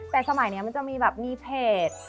แต่สมัยนี้มันจะมีแบบมีเพจ